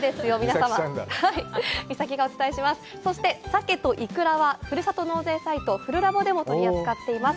そして、鮭といくらはふるさと納税サイト「ふるラボ」でも取り扱っています。